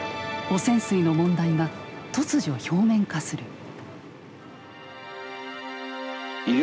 汚染水の問題が突如表面化する。